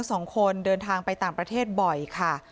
สองคนเดินทางไปต่างประเทศบ่อยค่ะ